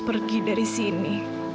pergi dari sini